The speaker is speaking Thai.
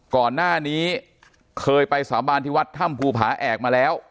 ก่อนหน้านี้เคยไปสาบานที่วัดถ้ำภูผาแอกมาแล้ว